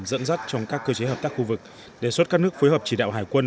dẫn dắt trong các cơ chế hợp tác khu vực đề xuất các nước phối hợp chỉ đạo hải quân